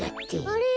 あれ？